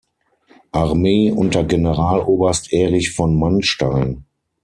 Armee unter Generaloberst Erich von Manstein.